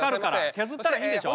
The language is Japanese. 削ったらいいんでしょ？